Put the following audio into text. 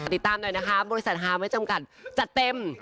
ติดตามหน่อยนะคะบริษัทฮาไม่จำกัดจัดเต็ม